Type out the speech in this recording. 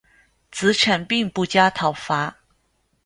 子产并不加讨伐。